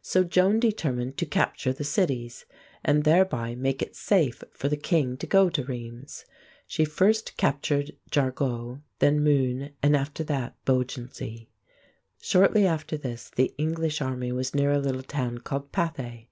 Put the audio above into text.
So Joan determined to capture the cities, and thereby make it safe for the king to go to Rheims. She first captured Jargeau, then Meun, and after that Beaugency. Shortly after this the English army was near a little town called Pathay.